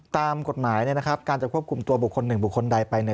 ตามกฎหมายเนี่ยนะครับการจะควบคุมตัวบุคคลหนึ่งบุคคลใดไปเนี่ย